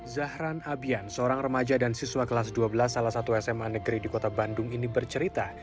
zahran abian seorang remaja dan siswa kelas dua belas salah satu sma negeri di kota bandung ini bercerita